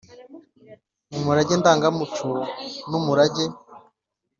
Mu murage ndangamuco n umurage